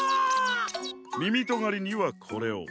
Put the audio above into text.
みみとがりにはこれを。